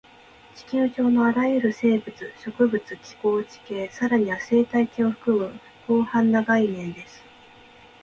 地球上のあらゆる生物、植物、気候、地形、さらには生態系を含む広範な概念です